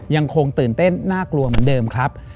ยังคงตื่นเต้นน่ากลัวเหมือนเดิมครับ